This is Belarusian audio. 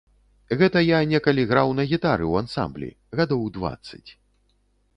Гэта я некалі граў на гітары ў ансамблі, гадоў дваццаць.